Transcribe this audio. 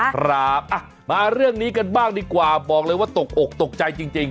ครับมาเรื่องนี้กันบ้างดีกว่าบอกเลยว่าตกอกตกใจจริง